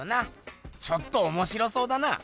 ちょっとおもしろそうだな。